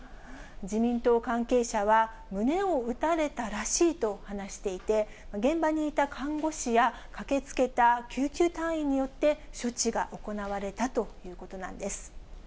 自民党関係者は、胸を撃たれたらしいと話していて、現場にいた看護師や、駆けつけた救急隊員によって、処置が行われたということなんです。